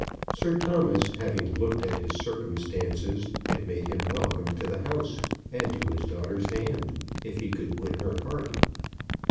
Sir Thomas, having looked at his circumstances, had made him welcome to the house, and to his daughter's hand, if he could win her heart.